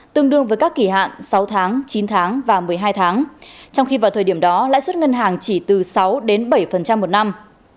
tương đương với các kỳ hạn sáu tháng chín tháng và một mươi hai tháng trong khi vào thời điểm đó lãi suất ngân hàng chỉ từ sáu đến bảy một năm